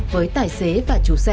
với tài xế và chú sĩ